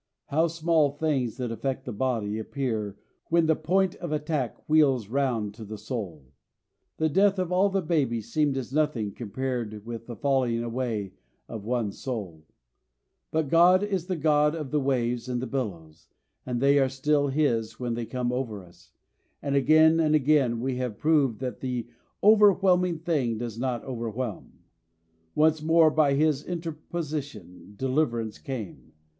How small things that affect the body appear when the point of attack wheels round to the soul! The death of all the babies seemed as nothing compared with the falling away of one soul. But God is the God of the waves and the billows, and they are still His when they come over us; and again and again we have proved that the overwhelming thing does not overwhelm. Once more by His interposition deliverance came.